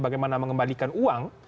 bagaimana mengembalikan uang